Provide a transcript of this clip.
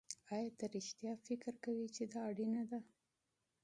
ایا ته رښتیا فکر کوې چې دا اړینه ده